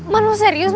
man lo serius man